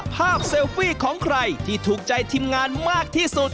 เซลฟี่ของใครที่ถูกใจทีมงานมากที่สุด